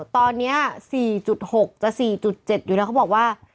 ตอนนี้๔๖จะ๔๗อยู่แล้วเขาบอกว่า